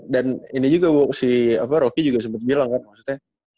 ini juga si rocky juga sempat bilang kan maksudnya